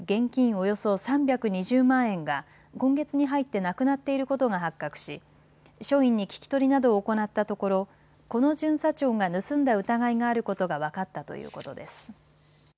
およそ３２０万円が今月に入ってなくなっていることが発覚し署員に聞き取りなどを行ったところ、この巡査長が盗んだ疑いがあることが分かったということです。